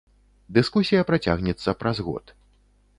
Дыскусія працягнецца праз год.